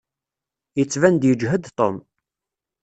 Yettban-d yeǧhed Tom.